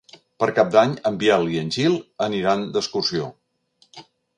Per Cap d'Any en Biel i en Gil aniran d'excursió.